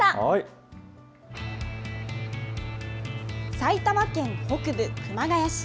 埼玉県北部、熊谷市。